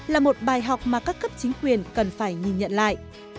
là một bài học mà các cấp chính quyền cần phải nhìn nhận lại